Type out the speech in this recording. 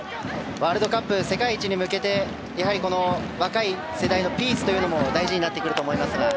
ワールドカップ世界一に向けて若い世代のピースというのも大事になってくると思いますが。